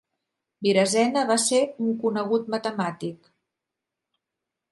Virasena vas ser un conegut matemàtic.